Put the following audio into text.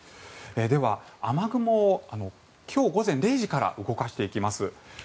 では、雨雲を今日午前０時から動かしていきます。